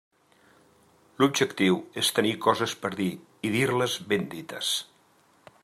L'objectiu és tenir coses per dir i dir-les ben dites.